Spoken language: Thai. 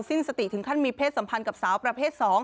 สิ้นสติถึงขั้นมีเพศสัมพันธ์กับสาวประเภท๒